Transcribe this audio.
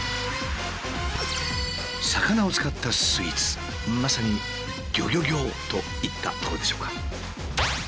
魚を使ったスイーツまさにギョギョギョといったところでしょうか。